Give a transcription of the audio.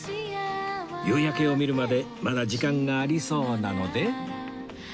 夕焼けを見るまでまだ時間がありそうなので